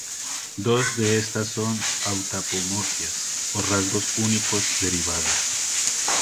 Dos de estas son autapomorfias, o rasgos únicos derivados.